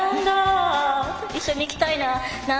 一緒に行きたいな。